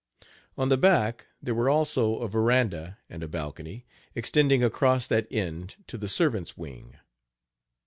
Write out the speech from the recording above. On the back there were also a veranda and a balcony, extending across that end to the servants' wing.